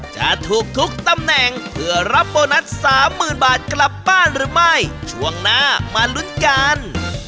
จะถูกทุกตำแหน่งเพื่อรับโบนัสสามหมื่นบาทกลับบ้านหรือไม่ช่วงหน้ามาลุ้นกัน